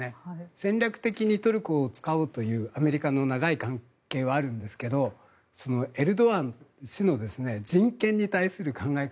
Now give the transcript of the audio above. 戦略的にトルコを使おうというアメリカの長い関係はあるんですがエルドアン氏の人権に対する考え方